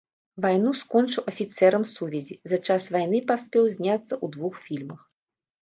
Вайну скончыў афіцэрам сувязі, за час вайны паспеў зняцца ў двух фільмах.